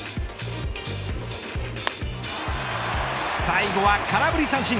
最後は空振り三振。